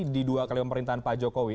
di dua kali pemerintahan pak jokowi